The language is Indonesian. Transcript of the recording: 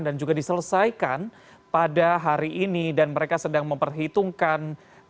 dan juga diselesaikan pada hari ini dan mereka sedang memperhitungkan